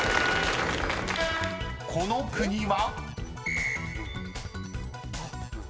［この国は？］